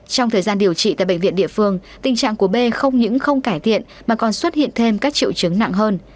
trong thời gian điều trị tại bệnh viện địa phương tình trạng của b không những không cải thiện mà còn xuất hiện thêm các triệu chứng nặng hơn